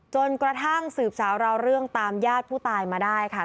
จนกระทั่งสืบสาวราวเรื่องตามญาติผู้ตายมาได้ค่ะ